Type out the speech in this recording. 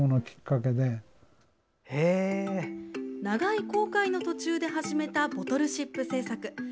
長い航海の途中で始めたボトルシップ制作。